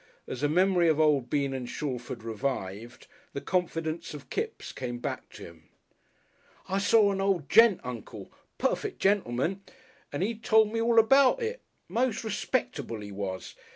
As the memory of old Bean and Shalford revived, the confidence of Kipps came back to him. "I saw a nold gent, Uncle perfect gentleman. And 'e told me all about it. Mos' respectable 'e was.